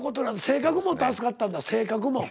性格も助かったんだ性格も。